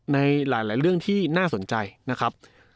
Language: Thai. ในหลายเรื่องที่น่าสนใจนะครับ